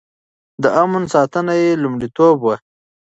د امن ساتنه يې لومړيتوب و.